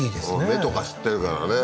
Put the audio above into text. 目とか知ってるからね